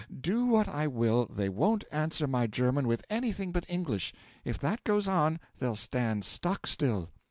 Do what I will, they won't answer my German with anything but English; if that goes on, they'll stand stock still.